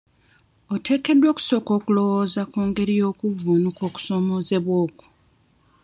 Oteekeddwa okusooka okulowooza ku ngeri y'okuvvuunuka okusoomoozebwa okwo.